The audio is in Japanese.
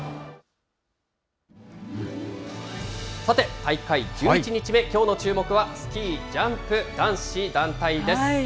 さて、大会１１日目、きょうの注目は、スキージャンプ男子団体です。